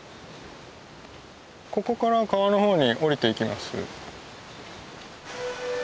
ここから川の方に下りていきます。